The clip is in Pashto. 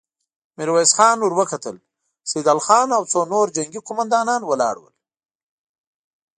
ميرويس خان ور وکتل، سيدال خان او څو نور جنګي قوماندان ولاړ ول.